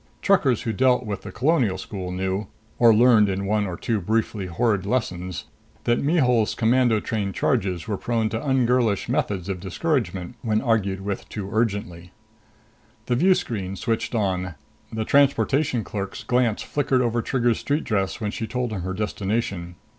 Truckers who dealt with the Colonial School knew, or learned in one or two briefly horrid lessons, that Mihul's commando trained charges were prone to ungirlish methods of discouragement when argued with too urgently. The view screen switched on. The transportation clerk's glance flicked over Trigger's street dress when she told him her destination.